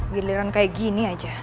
giliran kayak gini aja